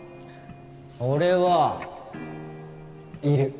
俺はいる